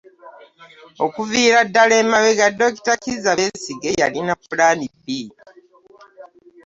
Okuviira ddala emabega Doctor Kizza Besigye yalina ppulaani B.